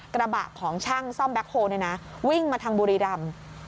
กระบะของช่างซ่อมแบ็คโฮลวิ่งมาทางบุรีรำ